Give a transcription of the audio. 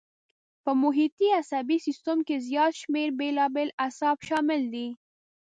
په محیطي عصبي سیستم کې زیات شمېر بېلابېل اعصاب شامل دي.